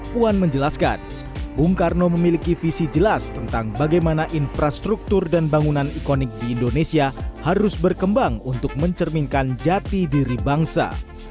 puan menjelaskan bung karno memiliki visi jelas tentang bagaimana infrastruktur dan bangunan ikonik di indonesia harus berkembang untuk mencerminkan jati diri bangsa